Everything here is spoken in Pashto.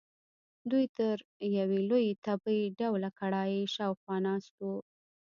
دوی تر یوې لویې تبۍ ډوله کړایۍ شاخوا ناست وو.